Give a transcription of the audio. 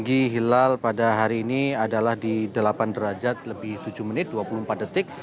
tinggi hilal pada hari ini adalah di delapan derajat lebih tujuh menit dua puluh empat detik